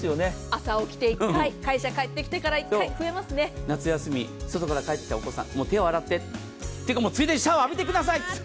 朝起きて１回会社帰ってから１回夏休み外から帰ってきたお子さん手を洗ってついでにシャワー浴びてください。